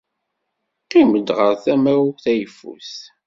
Qqim-d ɣer tama-w tayeffust.